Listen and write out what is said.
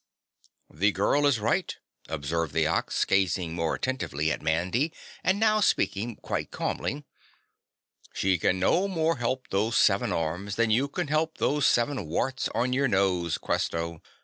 "The girl is right," observed the Ox, gazing more attentively at Mandy and now speaking quite calmly, "she can no more help those seven arms than you can help those seven warts on your nose, Questo.